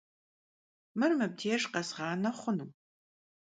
Mır mıbdêjj khezğane xhunu?